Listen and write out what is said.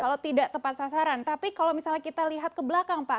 kalau tidak tepat sasaran tapi kalau misalnya kita lihat ke belakang pak